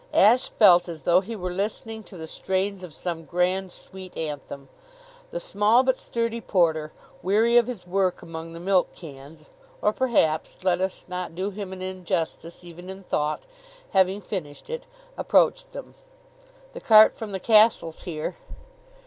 Ashe felt as though he were listening to the strains of some grand sweet anthem. The small but sturdy porter, weary of his work among the milk cans, or perhaps let us not do him an injustice even in thought having finished it, approached them. "The cart from the castle's here."